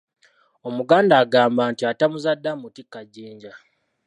Omuganda agamba nti "Atamuzadde amutikka jjinja".